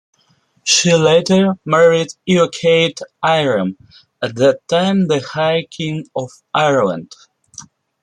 She later married Eochaid Airem, at that time the High King of Ireland.